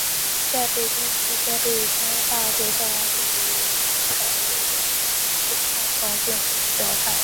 在北京期间在北京大学校园里与王有才有过一次匆匆见面交谈。